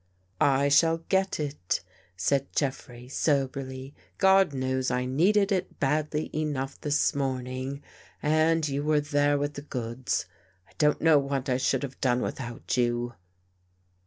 " I shall get it," said Jeffrey soberly. " God knows I needed it badly enough this morning, and 103 THE GHOST GIRL you were there with the goods. I don't know what I should have done without you."